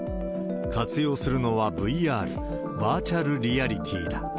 活用するのはＶＲ・バーチャル・リアリティーだ。